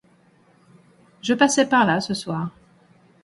Je passais par là ce soir.